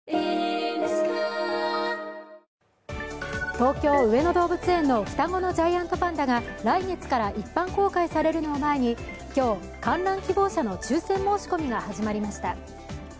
東京・上野動物園の双子のジャイアントパンダが来月から一般公開されるのを前に今日、観覧希望者の抽選申し込みが始まりました。